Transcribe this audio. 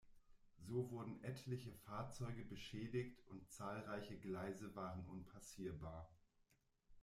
So wurden etliche Fahrzeuge beschädigt, und zahlreiche Gleise waren unpassierbar.